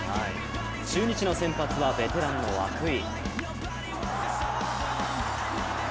中日の先発はベテランの涌井。